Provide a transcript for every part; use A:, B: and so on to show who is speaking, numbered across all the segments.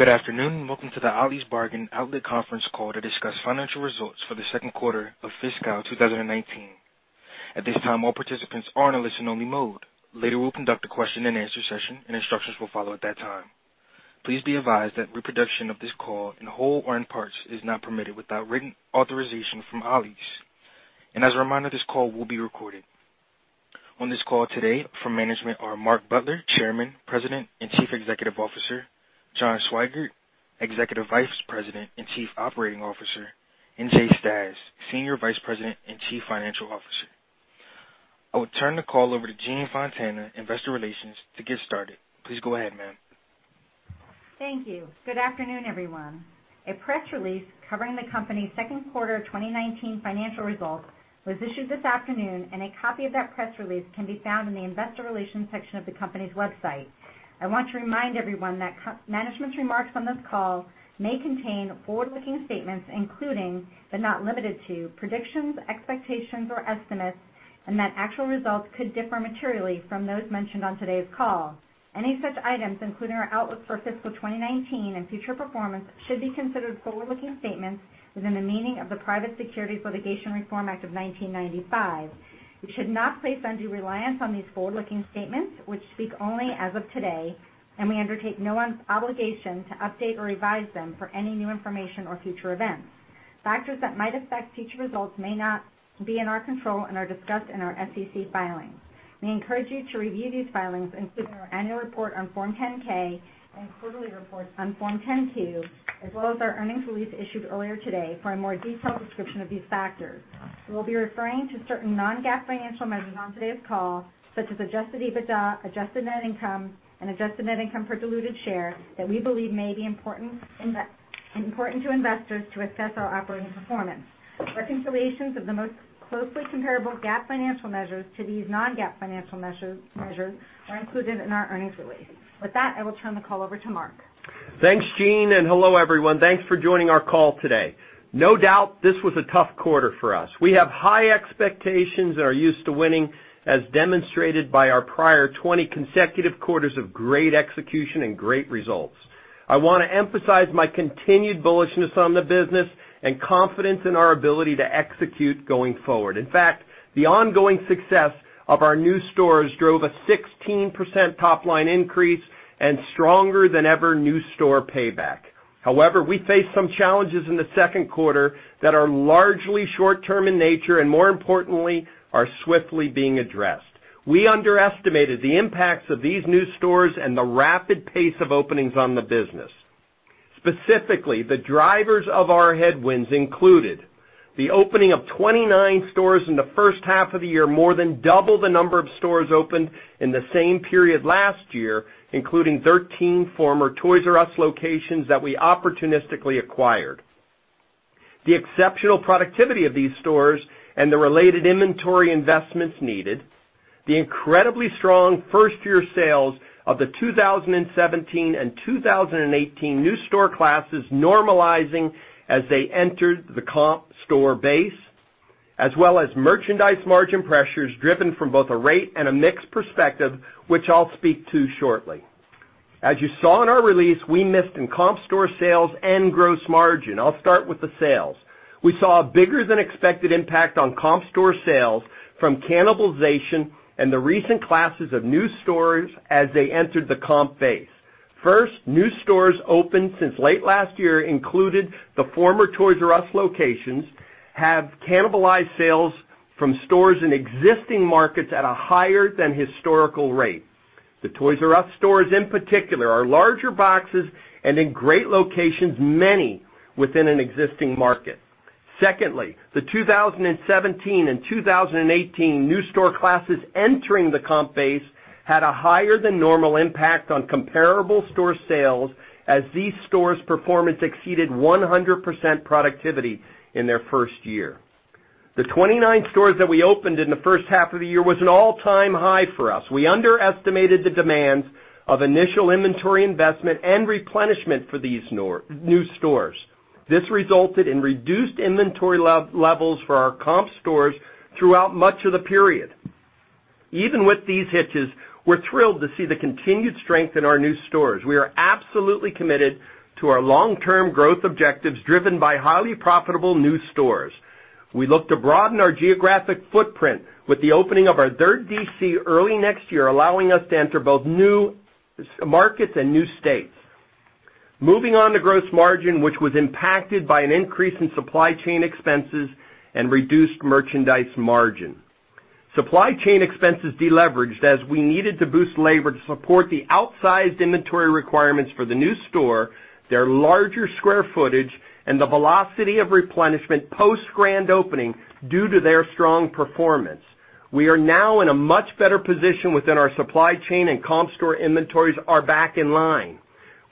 A: Good afternoon, and welcome to the Ollie's Bargain Outlet conference call to discuss financial results for the Q2 of fiscal 2019. At this time, all participants are on a listen-only mode. Later, we'll conduct a Q&A session, and instructions will follow at that time. Please be advised that reproduction of this call in whole or in part is not permitted without written authorization from Ollie's. As a reminder, this call will be recorded. On this call today from management are Mark Butler, Chairman, President, and Chief Executive Officer; John Swygert, Executive Vice President and Chief Operating Officer; and Jay Stasz, Senior Vice President and Chief Financial Officer. I will turn the call over to Jean Fontana, Investor Relations, to get started. Please go ahead, ma'am.
B: Thank you. Good afternoon, everyone. A press release covering the company's Q2 of 2019 financial results was issued this afternoon, and a copy of that press release can be found in the Investor Relations section of the company's website. I want to remind everyone that management's remarks on this call may contain forward-looking statements, including, but not limited to, predictions, expectations, or estimates, and that actual results could differ materially from those mentioned on today's call. Any such items, including our outlook for fiscal 2019 and future performance, should be considered forward-looking statements within the meaning of the Private Securities Litigation Reform Act of 1995. You should not place undue reliance on these forward-looking statements, which speak only as of today, and we undertake no obligation to update or revise them for any new information or future events. Factors that might affect future results may not be in our control and are discussed in our SEC filings. We encourage you to review these filings, including our annual report on Form 10-K and quarterly reports on Form 10-Q, as well as our earnings release issued earlier today for a more detailed description of these factors. We will be referring to certain non-GAAP financial measures on today's call, such as Adjusted EBITDA, Adjusted Net Income, and Adjusted Net Income Per Diluted Share that we believe may be important to investors to assess our operating performance. Reconciliations of the most closely comparable GAAP financial measures to these non-GAAP financial measures are included in our earnings release. With that, I will turn the call over to Mark.
C: Thanks, Jean, and hello, everyone. Thanks for joining our call today. No doubt this was a tough quarter for us. We have high expectations and are used to winning, as demonstrated by our prior 20 consecutive quarters of great execution and great results. I wanna emphasize my continued bullishness on the business and confidence in our ability to execute going forward. In fact, the ongoing success of our new stores drove a 16% top-line increase and stronger than ever new store payback. However, we faced some challenges in the Q2 that are largely short term in nature, and more importantly, are swiftly being addressed. We underestimated the impacts of these new stores and the rapid pace of openings on the business. Specifically, the drivers of our headwinds included the opening of 29 stores in the first half of the year, more than double the number of stores opened in the same period last year, including 13 former Toys "R" Us locations that we opportunistically acquired. The exceptional productivity of these stores and the related inventory investments needed, the incredibly strong first-year sales of the 2017 and 2018 new store classes normalizing as they entered the comp store base, as well as merchandise margin pressures driven from both a rate and a mix perspective, which I'll speak to shortly. As you saw in our release, we missed in comp store sales and gross margin. I'll start with the sales. We saw a bigger-than-expected impact on comp store sales from cannibalization and the recent classes of new stores as they entered the comp base. First, new stores opened since late last year, including the former Toys "R" Us locations, have cannibalized sales from stores in existing markets at a higher than historical rate. The Toys "R" Us stores, in particular, are larger boxes and in great locations, many within an existing market. Secondly, the 2017 and 2018 new store classes entering the comp base had a higher-than-normal impact on comparable store sales as these stores' performance exceeded 100% productivity in their first year. The 29 stores that we opened in the first half of the year was an all-time high for us. We underestimated the demands of initial inventory investment and replenishment for these new stores. This resulted in reduced inventory levels for our comp stores throughout much of the period. Even with these hitches, we're thrilled to see the continued strength in our new stores. We are absolutely committed to our long-term growth objectives, driven by highly profitable new stores. We look to broaden our geographic footprint with the opening of our third DC early next year, allowing us to enter both new markets and new states. Moving on to gross margin, which was impacted by an increase in supply chain expenses and reduced merchandise margin. Supply chain expenses deleveraged as we needed to boost labor to support the outsized inventory requirements for the new store, their larger square footage, and the velocity of replenishment post-grand opening due to their strong performance. We are now in a much better position within our supply chain, and comp store inventories are back in line.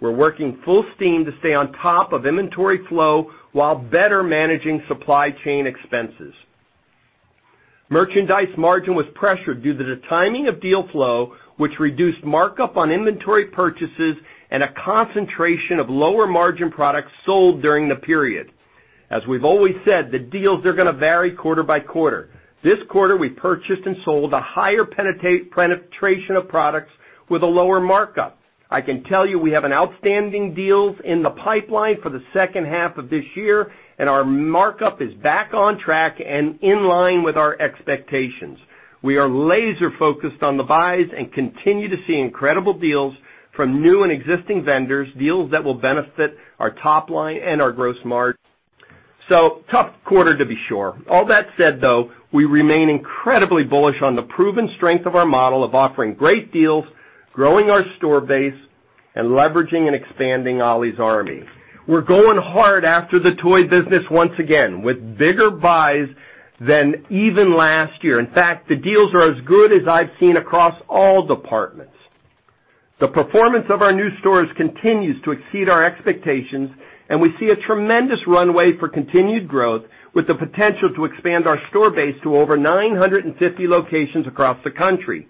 C: We're working full steam to stay on top of inventory flow while better managing supply chain expenses. Merchandise margin was pressured due to the timing of deal flow, which reduced markup on inventory purchases and a concentration of lower-margin products sold during the period. As we've always said, the deals are gonna vary quarter by quarter. This quarter, we purchased and sold a higher penetration of products with a lower markup. I can tell you, we have outstanding deals in the pipeline for the second half of this year, and our markup is back on track and in line with our expectations. We are laser focused on the buys and continue to see incredible deals from new and existing vendors, deals that will benefit our top line and our gross margin. So tough quarter, to be sure. All that said, though, we remain incredibly bullish on the proven strength of our model of offering great deals, growing our store base, and leveraging and expanding Ollie's Army. We're going hard after the toy business once again, with bigger buys than even last year. In fact, the deals are as good as I've seen across all departments. The performance of our new stores continues to exceed our expectations, and we see a tremendous runway for continued growth, with the potential to expand our store base to over 950 locations across the country.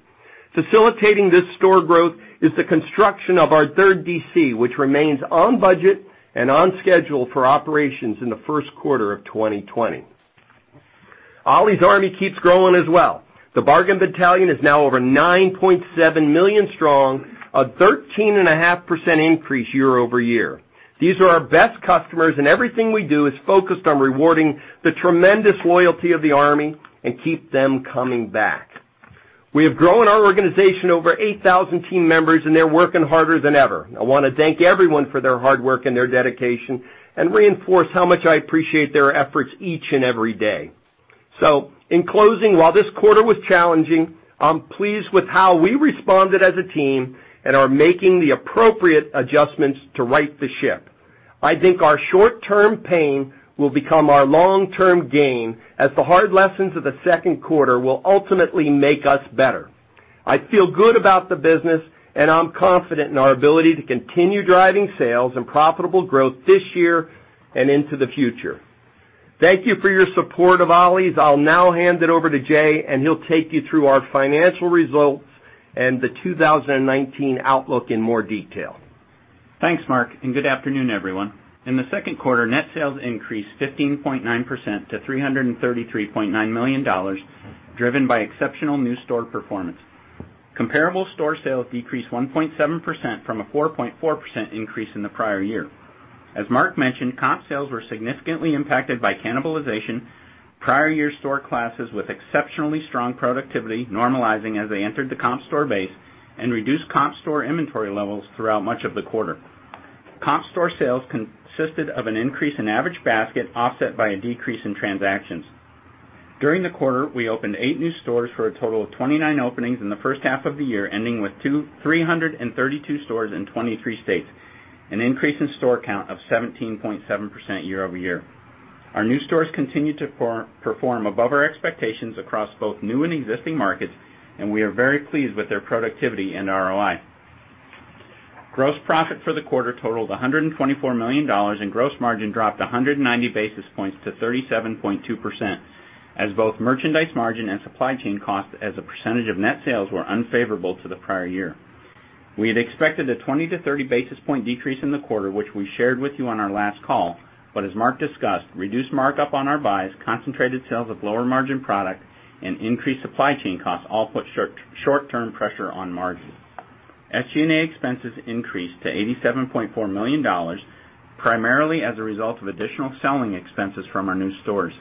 C: Facilitating this store growth is the construction of our third DC, which remains on budget and on schedule for operations in the Q1 of 2020. Ollie's Army keeps growing as well. The Bargain Battalion is now over 9.7 million strong, a 13.5% increase year-over-year. These are our best customers, and everything we do is focused on rewarding the tremendous loyalty of the Army and keep them coming back. We have grown our organization over 8,000 team members, and they're working harder than ever. I wanna thank everyone for their hard work and their dedication and reinforce how much I appreciate their efforts each and every day. So in closing, while this quarter was challenging, I'm pleased with how we responded as a team and are making the appropriate adjustments to right the ship. I think our short-term pain will become our long-term gain, as the hard lessons of the Q2 will ultimately make us better. I feel good about the business, and I'm confident in our ability to continue driving sales and profitable growth this year and into the future. Thank you for your support of Ollie's. I'll now hand it over to Jay, and he'll take you through our financial results and the 2019 outlook in more detail.
D: Thanks, Mark, and good afternoon, everyone. In the Q2, net sales increased 15.9% to $333.9 million, driven by exceptional new store performance. Comparable store sales decreased 1.7% from a 4.4% increase in the prior year. As Mark mentioned, comp sales were significantly impacted by cannibalization, prior year store classes with exceptionally strong productivity normalizing as they entered the comp store base, and reduced comp store inventory levels throughout much of the quarter. Comp store sales consisted of an increase in average basket, offset by a decrease in transactions. During the quarter, we opened 8 new stores for a total of 29 openings in the first half of the year, ending with 232 stores in 23 states, an increase in store count of 17.7% year-over-year. Our new stores continued to perform above our expectations across both new and existing markets, and we are very pleased with their productivity and ROI. Gross profit for the quarter totaled $124 million, and gross margin dropped 190 basis points to 37.2%, as both merchandise margin and supply chain costs as a percentage of net sales were unfavorable to the prior year. We had expected a 20 to 30 basis point decrease in the quarter, which we shared with you on our last call, but as Mark discussed, reduced markup on our buys, concentrated sales of lower-margin product, and increased supply chain costs all put short-term pressure on margins. SG&A expenses increased to $87.4 million, primarily as a result of additional selling expenses from our new stores.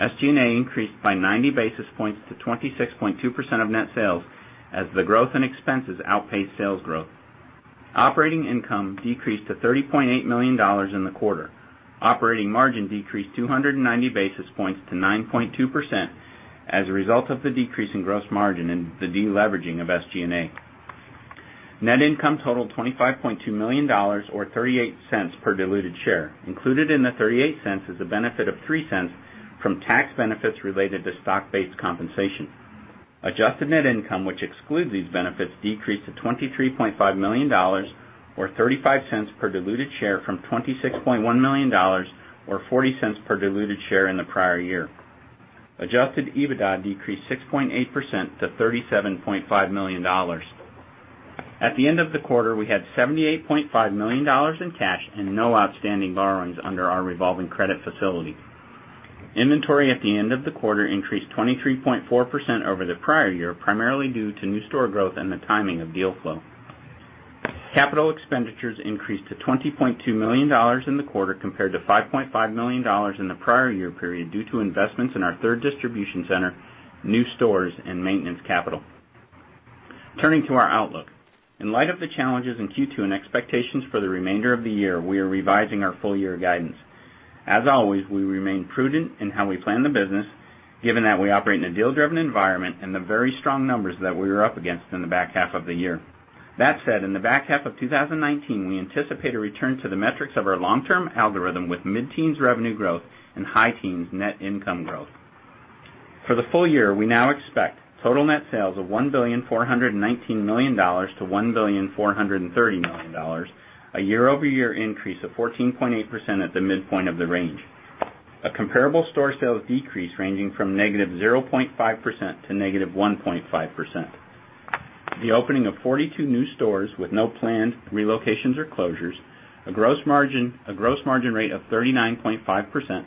D: SG&A increased by 90 basis points to 26.2% of net sales as the growth in expenses outpaced sales growth. Operating income decreased to $30.8 million in the quarter. Operating margin decreased 290 basis points to 9.2% as a result of the decrease in gross margin and the deleveraging of SG&A. Net income totaled $25.2 million, or $0.38 per diluted share. Included in the $0.38 is a benefit of $0.03 from tax benefits related to stock-based compensation. Adjusted net income, which excludes these benefits, decreased to $23.5 million, or $0.35 per diluted share, from $26.1 million, or $0.40 per diluted share in the prior year. Adjusted EBITDA decreased 6.8% to $37.5 million. At the end of the quarter, we had $78.5 million in cash and no outstanding borrowings under our revolving credit facility. Inventory at the end of the quarter increased 23.4% over the prior year, primarily due to new store growth and the timing of deal flow. Capital expenditures increased to $20.2 million in the quarter, compared to $5.5 million in the prior year period, due to investments in our third distribution center, new stores, and maintenance capital. Turning to our outlook. In light of the challenges in Q2 and expectations for the remainder of the year, we are revising our full year guidance. As always, we remain prudent in how we plan the business, given that we operate in a deal-driven environment and the very strong numbers that we are up against in the back half of the year. That said, in the back half of 2019, we anticipate a return to the metrics of our long-term algorithm, with mid-teens revenue growth and high teens net income growth. For the full year, we now expect total net sales of $1.419 billion to 1.43 billion, a year-over-year increase of 14.8% at the midpoint of the range. A comparable store sales decrease ranging from -0.5% to -1.5%.... the opening of 42 new stores with no planned relocations or closures, a gross margin, a gross margin rate of 39.5%,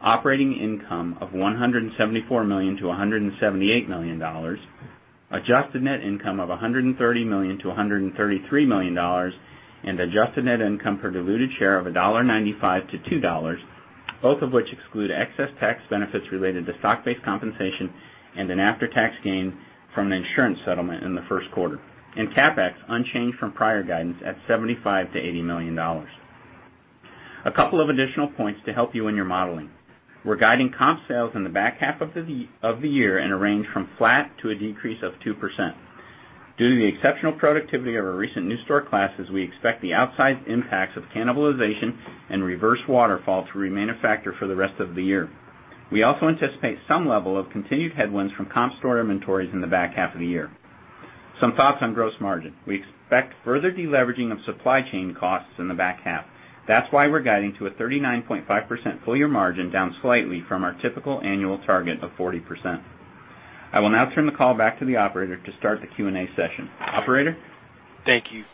D: operating income of $174 million to 178 million, adjusted net income of $130 million to 133 million, and adjusted net income per diluted share of $1.95 to $2, both of which exclude excess tax benefits related to stock-based compensation and an after-tax gain from an insurance settlement in the Q1. CapEx unchanged from prior guidance at $75 million to 80 million. A couple of additional points to help you in your modeling. We're guiding comp sales in the back half of the year in a range from flat to a decrease of 2%. Due to the exceptional productivity of our recent new store classes, we expect the outsized impacts of cannibalization and reverse waterfall to remain a factor for the rest of the year. We also anticipate some level of continued headwinds from comp store inventories in the back half of the year. Some thoughts on gross margin. We expect further deleveraging of supply chain costs in the back half. That's why we're guiding to a 39.5% full year margin, down slightly from our typical annual target of 40%. I will now turn the call back to the operator to start the Q&A session. Operator?
A: Thank you.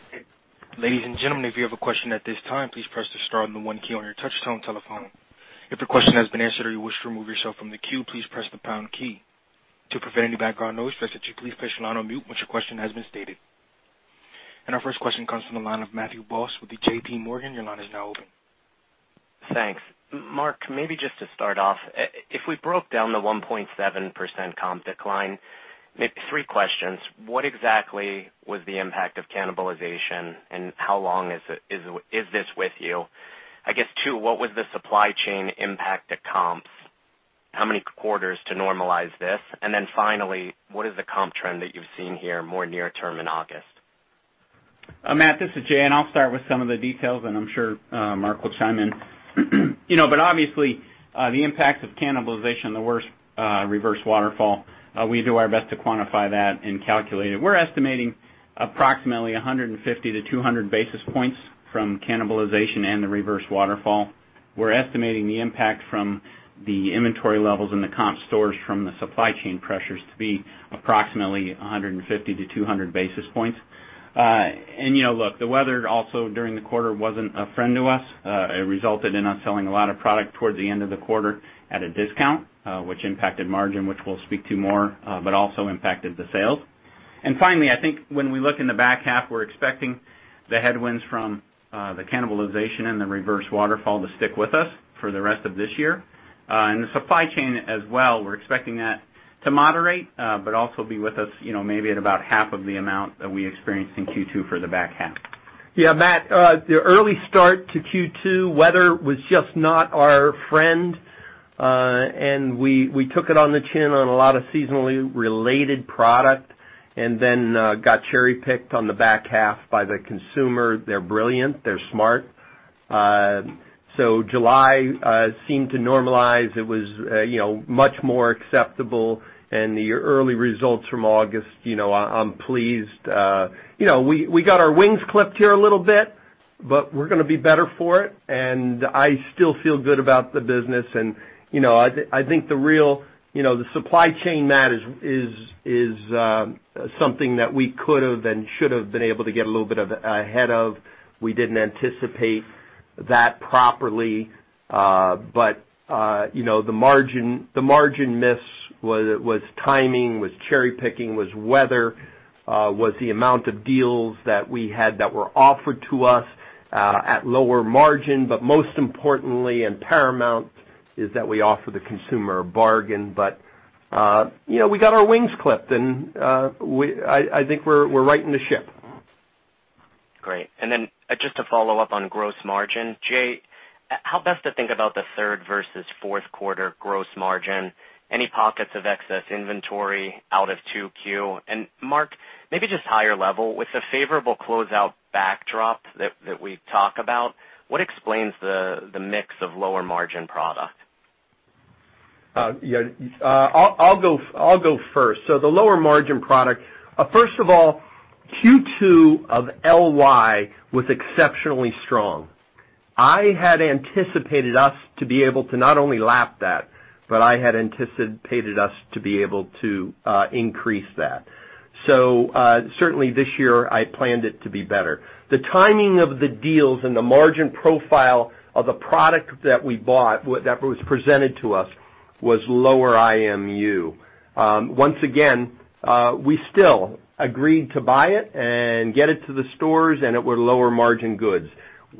A: Ladies and gentlemen, if you have a question at this time, please press the star and the one key on your touchtone telephone. If your question has been answered or you wish to remove yourself from the queue, please press the pound key. To prevent any background noise, we ask that you please place your line on mute once your question has been stated. Our first question comes from the line of Matthew Boss with JPMorgan. Your line is now open.
E: Thanks. Mark, maybe just to start off, if we broke down the 1.7% comp decline, maybe three questions. What exactly was the impact of cannibalization, and how long is this with you? I guess, two, what was the supply chain impact to comps? How many quarters to normalize this? And then finally, what is the comp trend that you've seen here more near term in August?
D: Matt, this is Jay, and I'll start with some of the details, and I'm sure Mark will chime in. You know, but obviously, the impact of cannibalization, the worst reverse waterfall, we do our best to quantify that and calculate it. We're estimating approximately 150 to 200 basis points from cannibalization and the reverse waterfall. We're estimating the impact from the inventory levels in the comp stores, from the supply chain pressures to be approximately 150 to 200 basis points. And, you know, look, the weather also, during the quarter, wasn't a friend to us. It resulted in us selling a lot of product towards the end of the quarter at a discount, which impacted margin, which we'll speak to more, but also impacted the sales. Finally, I think when we look in the back half, we're expecting the headwinds from the cannibalization and the reverse waterfall to stick with us for the rest of this year. The supply chain as well, we're expecting that to moderate, but also be with us, you know, maybe at about half of the amount that we experienced in Q2 for the back half.
C: Yeah, Matt, the early start to Q2, weather was just not our friend, and we took it on the chin on a lot of seasonally related product and then got cherry-picked on the back half by the consumer. They're brilliant, they're smart. So July seemed to normalize. It was, you know, much more acceptable, and the early results from August, you know, I'm pleased. You know, we got our wings clipped here a little bit, but we're gonna be better for it, and I still feel good about the business. You know, I think the real, you know, the supply chain, Matt, is something that we could've and should have been able to get a little bit of ahead of. We didn't anticipate that properly, but, you know, the margin miss was timing, was cherry-picking, was weather, was the amount of deals that we had that were offered to us, at lower margin. But most importantly and paramount is that we offer the consumer a bargain. But, you know, we got our wings clipped, and, I think we're righting the ship.
E: Great. And then just to follow up on gross margin, Jay, how best to think about the third versus Q4 gross margin? Any pockets of excess inventory out of 2Q? And Mark, maybe just high level, with the favorable closeout backdrop that we talk about, what explains the mix of lower-margin product?
C: Yeah, I'll go first. So the lower-margin product first of all, Q2 of LY was exceptionally strong. I had anticipated us to be able to not only lap that, but I had anticipated us to be able to increase that. So, certainly this year I planned it to be better. The timing of the deals and the margin profile of the product that we bought - that was presented to us was lower IMU. Once again, we still agreed to buy it and get it to the stores, and it were lower-margin goods.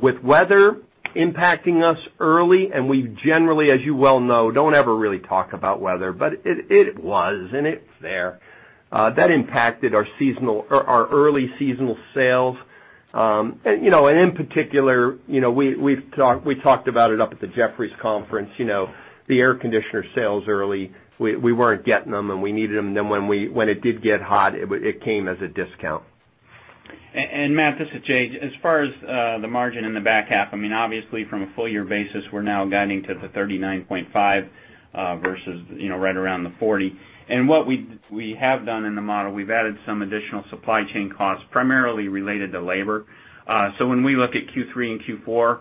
C: With weather impacting us early, and we generally, as you well know, don't ever really talk about weather, but it was, and it's there. That impacted our seasonal or our early seasonal sales. you know, and in particular, you know, we've talked. We talked about it up at the Jefferies conference, you know, the air conditioner sales early. We weren't getting them, and we needed them. Then when it did get hot, it came as a discount.
D: Matt, this is Jay. As far as the margin in the back half, I mean, obviously, from a full year basis, we're now guiding to the 39.5%, versus, you know, right around the 40%. And what we have done in the model, we've added some additional supply chain costs, primarily related to labor. So when we look at Q3 and Q4,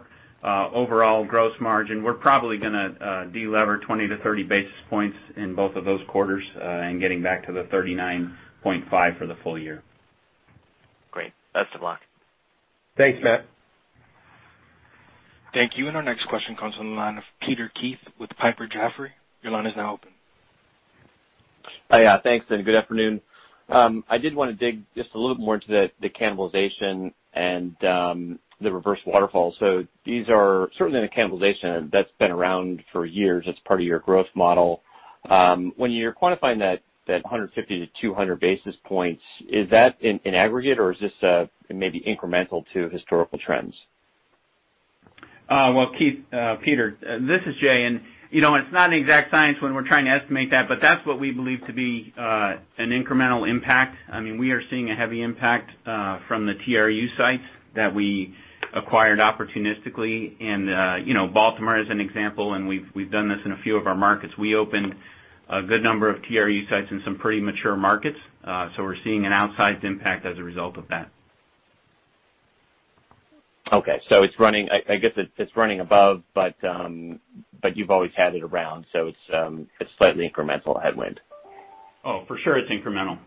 D: overall gross margin, we're probably gonna delever 20 to 30 basis points in both of those quarters, and getting back to the 39.5% for the full year.
E: Great. Best of luck.
C: Thanks, Matt.
A: Thank you. And our next question comes from the line of Peter Keith with Piper Sandler. Your line is now open.
F: Yeah, thanks, and good afternoon. I did wanna dig just a little bit more into the, the cannibalization and, the reverse waterfall. So these are certainly, the cannibalization, that's been around for years. That's part of your growth model. When you're quantifying that, that 150 to 200 basis points, is that in, in aggregate, or is this, maybe incremental to historical trends?
D: Well, Keith, Peter, this is Jay, and, you know, it's not an exact science when we're trying to estimate that, but that's what we believe to be an incremental impact. I mean, we are seeing a heavy impact from the TRU sites that we acquired opportunistically. And, you know, Baltimore is an example, and we've done this in a few of our markets. We opened a good number of TRU sites in some pretty mature markets, so we're seeing an outsized impact as a result of that.
F: Okay, so it's running, I guess it's running above, but you've always had it around, so it's a slightly incremental headwind.
D: Oh, for sure it's incremental.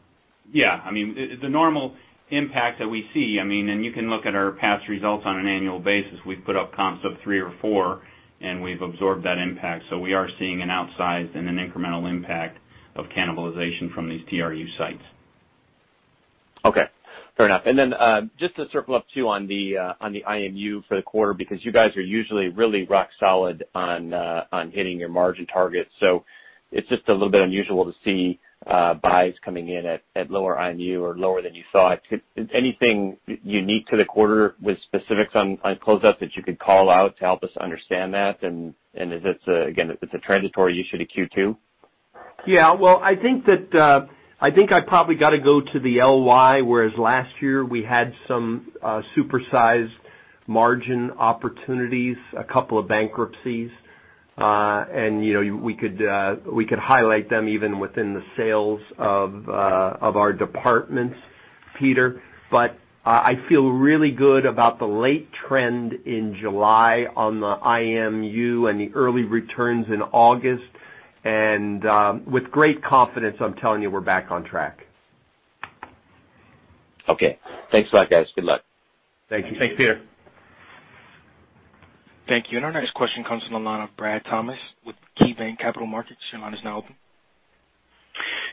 D: Yeah. I mean, the normal impact that we see, I mean, and you can look at our past results on an annual basis, we've put up comps of three or four, and we've absorbed that impact, so we are seeing an outsized and an incremental impact of cannibalization from these TRU sites.
F: Okay, fair enough. And then, just to circle up, too, on the IMU for the quarter, because you guys are usually really rock solid on hitting your margin targets. So it's just a little bit unusual to see buys coming in at lower IMU or lower than you thought. Is anything unique to the quarter with specifics on closeout that you could call out to help us understand that? And, is this again, is this a transitory issue to Q2?
C: Yeah. Well, I think that, I think I probably gotta go to the LY, whereas last year, we had some, supersized margin opportunities, a couple of bankruptcies, and, you know, we could, we could highlight them even within the sales of, of our departments, Peter. But, I feel really good about the late trend in July on the IMU and the early returns in August, and, with great confidence, I'm telling you, we're back on track.
F: Okay. Thanks a lot, guys. Good luck.
C: Thank you.
D: Thanks, Peter.
A: Thank you. Our next question comes from the line of Brad Thomas with KeyBanc Capital Markets. Your line is now open.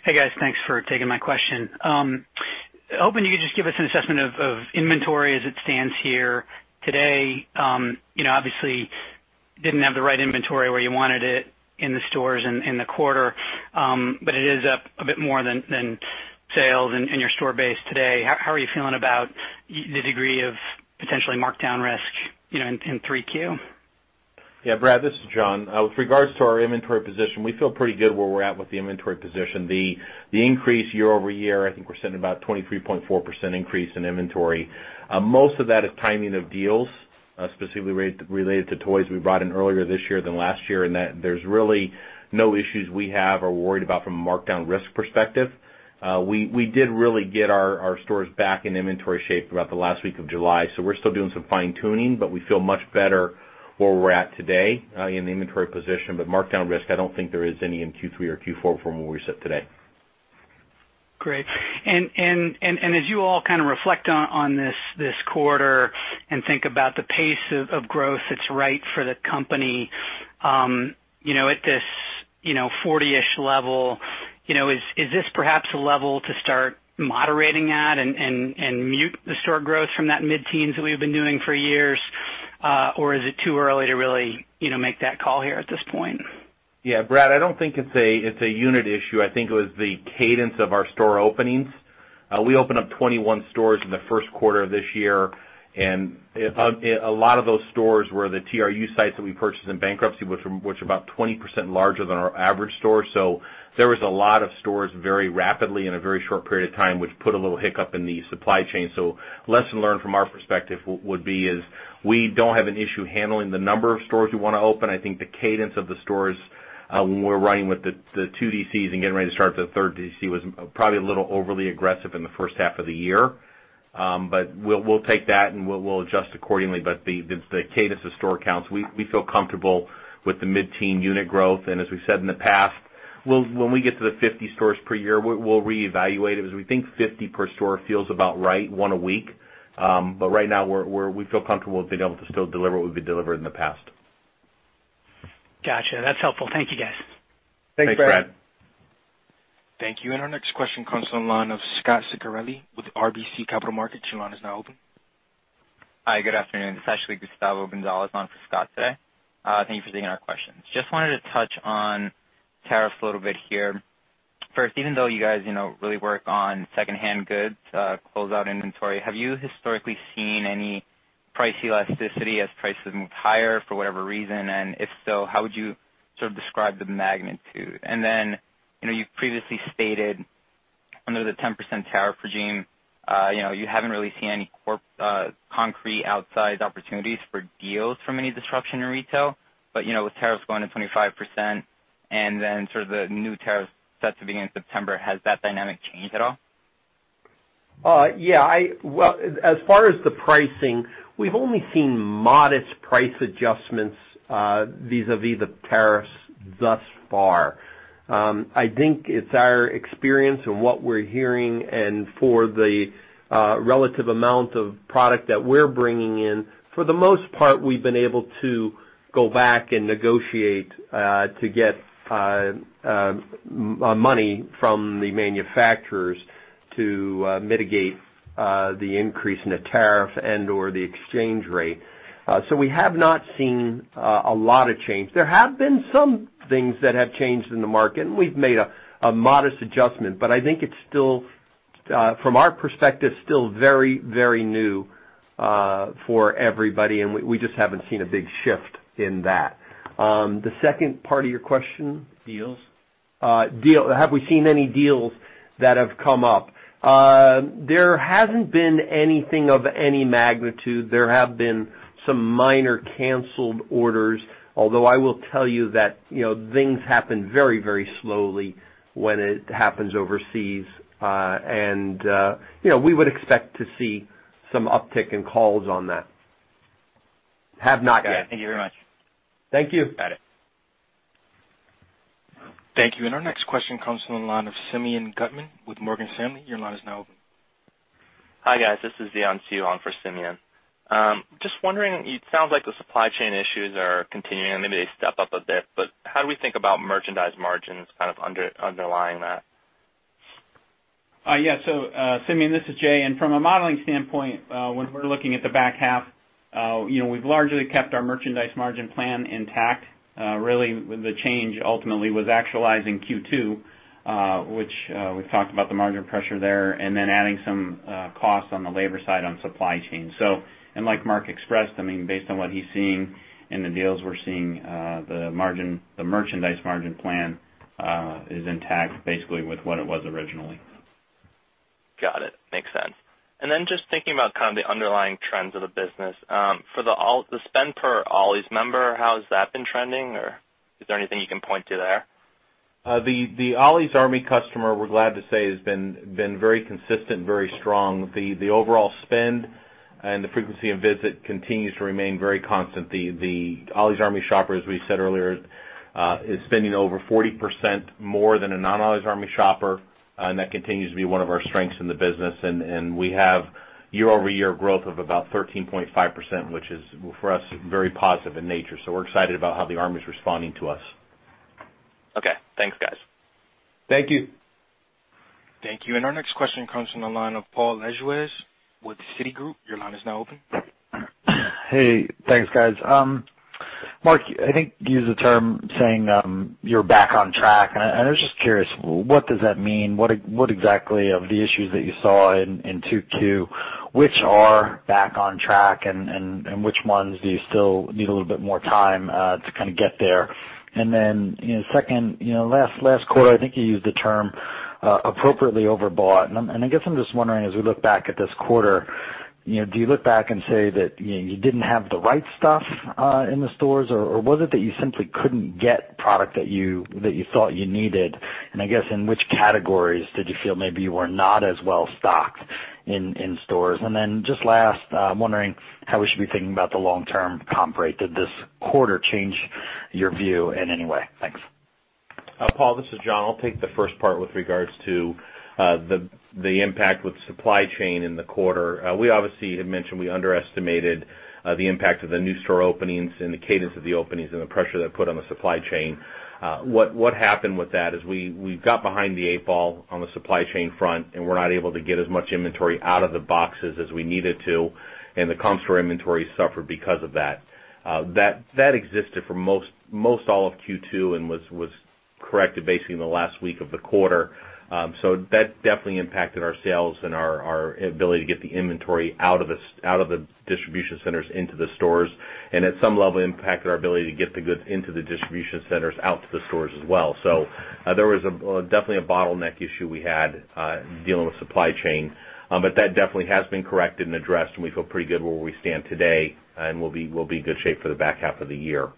G: Hey, guys. Thanks for taking my question. Hoping you could just give us an assessment of inventory as it stands here today. You know, obviously, didn't have the right inventory where you wanted it in the stores in the quarter, but it is up a bit more than sales in your store base today. How are you feeling about the degree of potentially markdown risk, you know, in three Q?
H: Yeah, Brad, this is John. With regards to our inventory position, we feel pretty good where we're at with the inventory position. The increase year-over-year, I think we're sitting about 23.4% increase in inventory. Most of that is timing of deals, specifically related to toys we brought in earlier this year than last year, and that there's really no issues we have or worried about from a markdown risk perspective. We did really get our stores back in inventory shape throughout the last week of July, so we're still doing some fine-tuning, but we feel much better where we're at today, in the inventory position. But markdown risk, I don't think there is any in Q3 or Q4 from where we sit today.
G: Great. And as you all kind of reflect on this quarter and think about the pace of growth that's right for the company, you know, at this 40-ish level, you know, is this perhaps a level to start moderating at and mute the store growth from that mid-teens that we've been doing for years, or is it too early to really, you know, make that call here at this point?
H: Yeah, Brad, I don't think it's a, it's a unit issue. I think it was the cadence of our store openings. We opened up 21 stores in the Q1 of this year, and a lot of those stores were the TRU sites that we purchased in bankruptcy, which are about 20% larger than our average store. So there was a lot of stores very rapidly in a very short period of time, which put a little hiccup in the supply chain. So lesson learned from our perspective would be is, we don't have an issue handling the number of stores we wanna open. I think the cadence of the stores, when we're running with the two DCs and getting ready to start the third DC, was probably a little overly aggressive in the first half of the year. But we'll take that, and we'll adjust accordingly. But the cadence of store counts, we feel comfortable with the mid-teen unit growth. And as we said in the past, we'll, when we get to the 50 stores per year, we'll reevaluate it, because we think 50 per year feels about right, one a week. But right now, we're, we feel comfortable with being able to still deliver what we've been delivering in the past.
G: Gotcha. That's helpful. Thank you, guys.
H: Thanks, Brad.
A: Thank you. And our next question comes from the line of Scott Ciccarelli with RBC Capital Markets. Your line is now open.
I: Hi, good afternoon. It's actually Gustavo Gonzalez on for Scott today. Thank you for taking our questions. Just wanted to touch on tariffs a little bit here. First, even though you guys, you know, really work on secondhand goods, closeout inventory, have you historically seen any price elasticity as prices moved higher for whatever reason? And if so, how would you sort of describe the magnitude? And then, you know, you've previously stated under the 10% tariff regime, you know, you haven't really seen any concrete outsized opportunities for deals from any disruption in retail. But, you know, with tariffs going to 25% and then sort of the new tariffs set to begin in September, has that dynamic changed at all?
C: Yeah, well, as far as the pricing, we've only seen modest price adjustments vis-a-vis the tariffs thus far. I think it's our experience and what we're hearing, and for the relative amount of product that we're bringing in, for the most part, we've been able to go back and negotiate to get money from the manufacturers to mitigate the increase in the tariff and or the exchange rate. So we have not seen a lot of change. There have been some things that have changed in the market, and we've made a modest adjustment, but I think it's still, from our perspective, still very, very new for everybody, and we just haven't seen a big shift in that. The second part of your question?
I: Deals.
C: Have we seen any deals that have come up? There hasn't been anything of any magnitude. There have been some minor canceled orders, although I will tell you that, you know, things happen very, very slowly when it happens overseas. And, you know, we would expect to see some uptick in calls on that. Have not yet.
I: Got it. Thank you very much.
C: Thank you. Got it.
A: Thank you. Our next question comes from the line of Simeon Gutman with Morgan Stanley. Your line is now open.
J: Hi, guys. This is Dion Suen for Simeon. Just wondering, it sounds like the supply chain issues are continuing, and maybe they step up a bit, but how do we think about merchandise margins kind of underlying that?
H: Yeah. So, Simeon, this is Jay, and from a modeling standpoint, when we're looking at the back half, you know, we've largely kept our merchandise margin plan intact. Really, the change ultimately was actualizing Q2, which we've talked about the margin pressure there, and then adding some costs on the labor side on supply chain. And like Mark expressed, I mean, based on what he's seeing and the deals we're seeing, the margin, the merchandise margin plan, is intact, basically with what it was originally.
J: Got it. Makes sense. And then just thinking about kind of the underlying trends of the business, for the spend per Ollie's member, how has that been trending, or is there anything you can point to there?
C: The Ollie's Army customer, we're glad to say, has been very consistent and very strong. The overall spend and the frequency of visit continues to remain very constant. The Ollie's Army shopper, as we said earlier, is spending over 40% more than a non-Ollie's Army shopper, and that continues to be one of our strengths in the business. And we have year-over-year growth of about 13.5%, which is, for us, very positive in nature. So we're excited about how the Army is responding to us.
J: Okay, thanks, guys.
C: Thank you.
A: Thank you. And our next question comes from the line of Paul Lejuez with Citigroup. Your line is now open.
K: Hey, thanks, guys. Mark, I think you used the term saying you're back on track, and I was just curious, what does that mean? What exactly of the issues that you saw in 2022, which are back on track and which ones do you still need a little bit more time to kind of get there? And then, you know, second, you know, last quarter, I think you used the term appropriately overbought. And I guess I'm just wondering, as we look back at this quarter, you know, do you look back and say that you didn't have the right stuff in the stores, or was it that you simply couldn't get product that you thought you needed? I guess in which categories did you feel maybe you were not as well-stocked in, in stores? Then just last, I'm wondering how we should be thinking about the long-term comp rate. Did this quarter change your view in any way? Thanks.
H: Paul, this is John. I'll take the first part with regards to the impact with supply chain in the quarter. We obviously had mentioned we underestimated the impact of the new store openings and the cadence of the openings and the pressure that put on the supply chain. What happened with that is we got behind the eight ball on the supply chain front, and we're not able to get as much inventory out of the boxes as we needed to, and the comp store inventory suffered because of that. That existed for most all of Q2 and was corrected basically in the last week of the quarter. So that definitely impacted our sales and our ability to get the inventory out of the distribution centers into the stores. And at some level, impacted our ability to get the goods into the distribution centers out to the stores as well. So, there was definitely a bottleneck issue we had dealing with supply chain. But that definitely has been corrected and addressed, and we feel pretty good where we stand today and we'll be, we'll be in good shape for the back half of the year.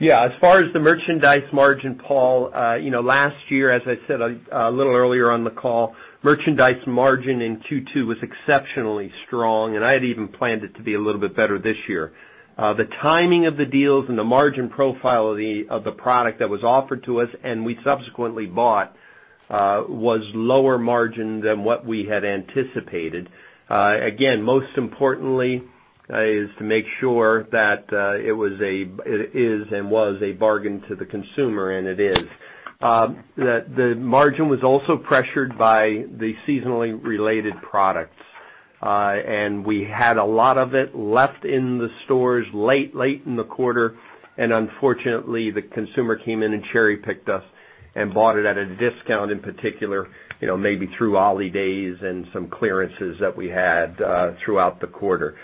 C: Yeah, as far as the merchandise margin, Paul, you know, last year, as I said a little earlier on the call, merchandise margin in 2022 was exceptionally strong, and I had even planned it to be a little bit better this year. The timing of the deals and the margin profile of the product that was offered to us and we subsequently bought was lower margin than what we had anticipated. Again, most importantly, is to make sure that it was a bargain to the consumer, and it is. The margin was also pressured by the seasonally related products. And we had a lot of it left in the stores late, late in the quarter, and unfortunately, the consumer came in and cherry-picked us and bought it at a discount, in particular, you know, maybe through Ollie Days and some clearances that we had throughout the quarter.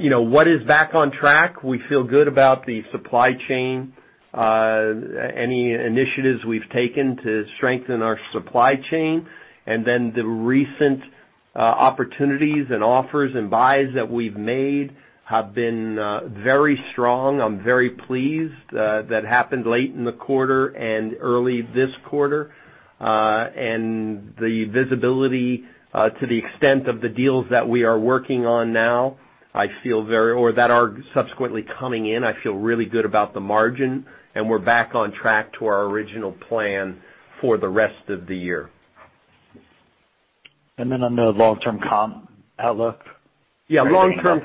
C: You know, what is back on track? We feel good about the supply chain, any initiatives we've taken to strengthen our supply chain, and then the recent opportunities and offers and buys that we've made have been very strong. I'm very pleased that happened late in the quarter and early this quarter. The visibility to the extent of the deals that we are working on now or that are subsequently coming in. I feel really good about the margin, and we're back on track to our original plan for the rest of the year.
K: On the long-term comp outlook?
D: Yeah, long-term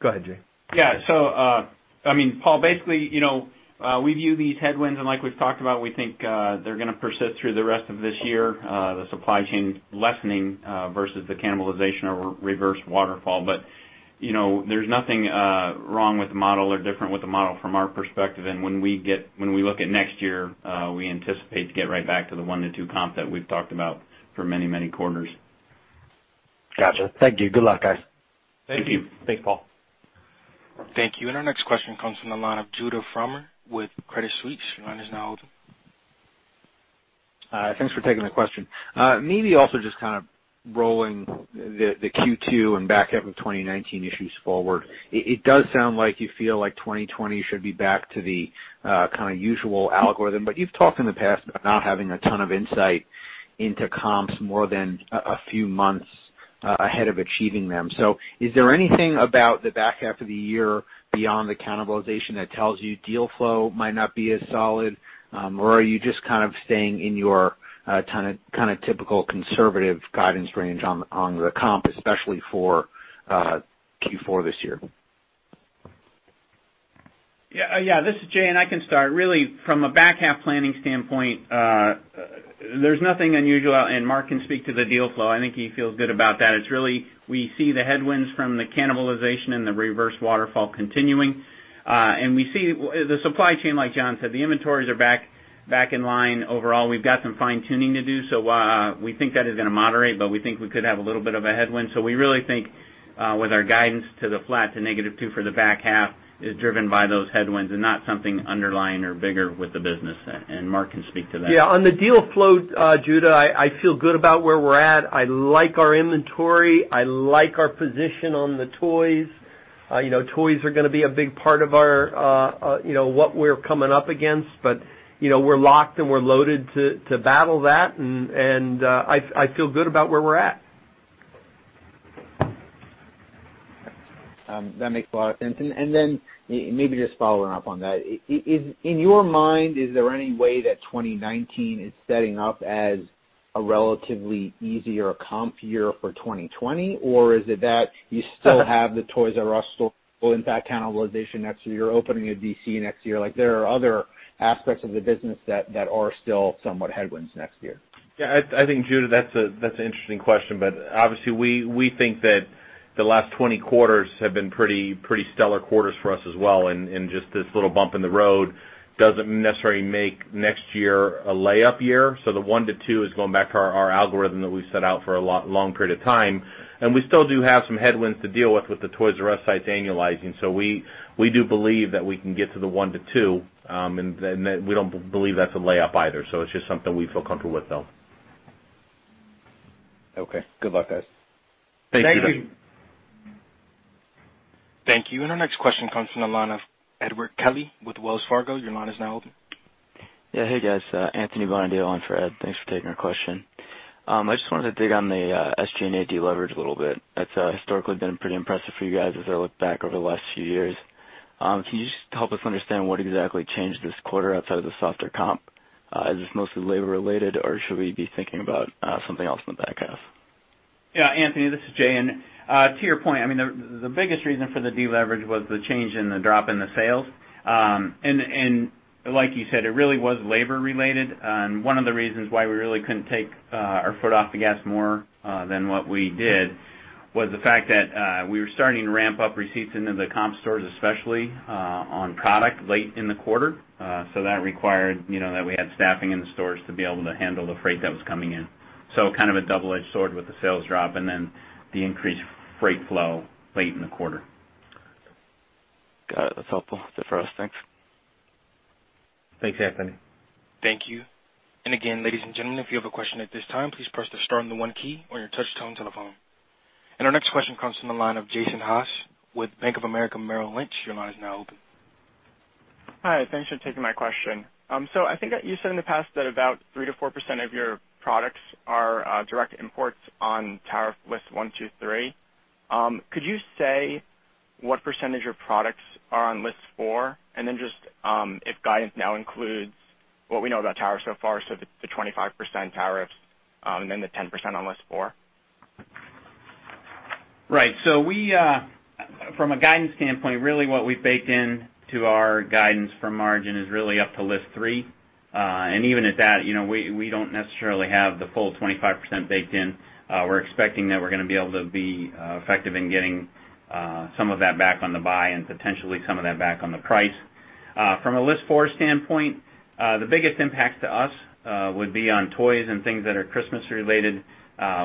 K: Go ahead, Jay.
D: Yeah. So, I mean, Paul, basically, you know, we view these headwinds, and like we've talked about, we think they're gonna persist through the rest of this year, the supply chain lessening, versus the cannibalization or reverse waterfall. But, you know, there's nothing wrong with the model or different with the model from our perspective. And when we look at next year, we anticipate to get right back to the one to two comp that we've talked about for many, many quarters.
K: Gotcha. Thank you. Good luck, guys.
D: Thank you.
C: Thank you. Thanks, Paul.
A: Thank you. Our next question comes from the line of Judah Frommer with Credit Suisse. Your line is now open.
L: Thanks for taking the question. Maybe also just kind of rolling the Q2 and back half of 2019 issues forward. It does sound like you feel like 2020 should be back to the kind of usual algorithm, but you've talked in the past about not having a ton of insight into comps more than a few months ahead of achieving them. So is there anything about the back half of the year beyond the cannibalization that tells you deal flow might not be as solid, or are you just kind of staying in your kind of typical conservative guidance range on the comp, especially for Q4 this year?
D: Yeah. Yeah, this is Jay, and I can start. Really, from a back half planning standpoint, there's nothing unusual, and Mark can speak to the deal flow. I think he feels good about that. It's really, we see the headwinds from the cannibalization and the reverse waterfall continuing, and we see the supply chain, like John said, the inventories are back in line. Overall, we've got some fine-tuning to do, so we think that is gonna moderate, but we think we could have a little bit of a headwind. So we really think, with our guidance to the flat to -2% for the back half is driven by those headwinds and not something underlying or bigger with the business, and Mark can speak to that.
C: Yeah, on the deal flow, Judah, I feel good about where we're at. I like our inventory. I like our position on the Toys. You know, Toys are gonna be a big part of our, you know, what we're coming up against. But, you know, we're locked and we're loaded to battle that, and I feel good about where we're at.
L: That makes a lot of sense. And then maybe just following up on that. In your mind, is there any way that 2019 is setting up as a relatively easier comp year for 2020? Or is it that you still have the Toys "R" Us store will impact cannibalization next year, opening a DC next year? Like, there are other aspects of the business that are still somewhat headwinds next year.
D: Yeah, I think, Judah, that's an interesting question, but obviously, we think that the last 20 quarters have been pretty stellar quarters for us as well, and just this little bump in the road doesn't necessarily make next year a layup year. So the 1 to 2 is going back to our algorithm that we set out for a long period of time, and we still do have some headwinds to deal with, with the Toys "R" Us sites annualizing. So we do believe that we can get to the 1 to 2, and then, we don't believe that's a layup either, so it's just something we feel comfortable with, though.
L: Okay. Good luck, guys.
D: Thank you.
C: Thank you.
A: Thank you. Our next question comes from the line of Edward Kelly with Wells Fargo. Your line is now open.
M: Yeah. Hey, guys, Anthony Bonadio on for Ed. Thanks for taking our question. I just wanted to dig on the SG&A deleverage a little bit. That's historically been pretty impressive for you guys as I look back over the last few years. Can you just help us understand what exactly changed this quarter outside of the softer comp? Is this mostly labor related, or should we be thinking about something else in the back half?
D: Yeah, Anthony, this is Jay, and to your point, I mean, the biggest reason for the deleverage was the change in the drop in the sales. And like you said, it really was labor related. And one of the reasons why we really couldn't take our foot off the gas more than what we did was the fact that we were starting to ramp up receipts into the comp stores, especially on product late in the quarter. So that required, you know, that we had staffing in the stores to be able to handle the freight that was coming in. So kind of a double-edged sword with the sales drop and then the increased freight flow late in the quarter.
M: Got it. That's helpful for us. Thanks.
C: Thanks, Anthony.
A: Thank you. And again, ladies and gentlemen, if you have a question at this time, please press the star and the one key on your touchtone telephone. And our next question comes from the line of Jason Haas with Bank of America Merrill Lynch. Your line is now open.
N: Hi, thanks for taking my question. So I think you said in the past that about 3% to 4% of your products are direct imports on tariff list 1, 2, 3. Could you say what percentage of products are on list 4? And then just, if guidance now includes what we know about tariffs so far, so the 25% tariffs, and then the 10% on list 4.
D: Right. So we, from a guidance standpoint, really what we've baked in to our guidance from margin is really up to list three. And even at that, you know, we, we don't necessarily have the full 25% baked in. We're expecting that we're gonna be able to be effective in getting some of that back on the buy and potentially some of that back on the price. From a list four standpoint, the biggest impact to us would be on toys and things that are Christmas related,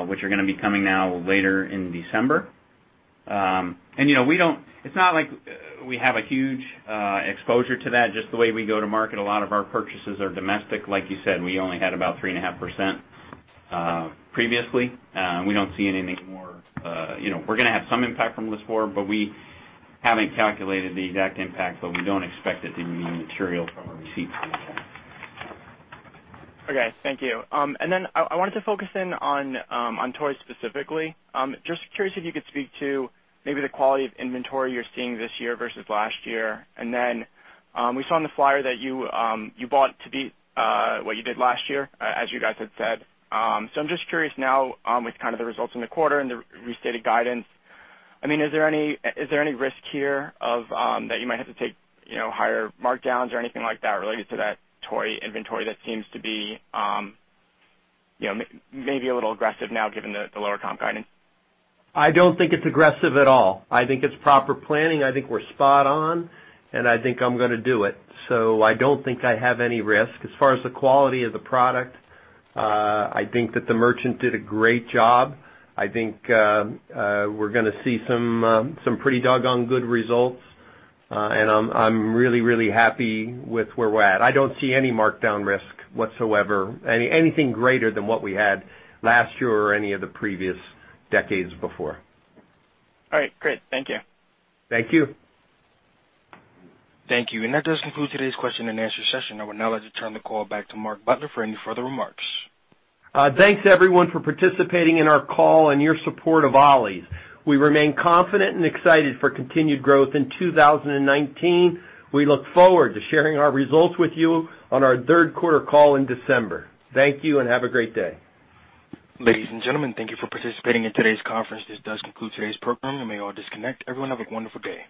D: which are gonna be coming now later in December. And, you know, we don't. It's not like we have a huge exposure to that. Just the way we go to market, a lot of our purchases are domestic. Like you said, we only had about 3.5%, previously, and we don't see anything more. You know, we're gonna have some impact from list four, but we haven't calculated the exact impact, but we don't expect it to be material from a receipts standpoint.
N: Okay, thank you. And then I wanted to focus in on toys specifically. Just curious if you could speak to maybe the quality of inventory you're seeing this year versus last year. And then, we saw on the flyer that you bought to beat what you did last year, as you guys had said. So I'm just curious now, with kind of the results in the quarter and the restated guidance, I mean, is there any risk here of that you might have to take, you know, higher markdowns or anything like that related to that toy inventory that seems to be, you know, maybe a little aggressive now, given the lower comp guidance?
C: I don't think it's aggressive at all. I think it's proper planning. I think we're spot on, and I think I'm gonna do it. So I don't think I have any risk. As far as the quality of the product, I think that the merchant did a great job. I think we're gonna see some pretty doggone good results, and I'm really, really happy with where we're at. I don't see any markdown risk whatsoever, anything greater than what we had last year or any of the previous decades before.
N: All right, great. Thank you.
C: Thank you.
A: Thank you. That does conclude today's Q&A session. I would now like to turn the call back to Mark Butler for any further remarks.
C: Thanks, everyone, for participating in our call and your support of Ollie's. We remain confident and excited for continued growth in 2019. We look forward to sharing our results with you on our Q3 call in December. Thank you, and have a great day.
A: Ladies and gentlemen, thank you for participating in today's conference. This does conclude today's program. You may all disconnect. Everyone, have a wonderful day.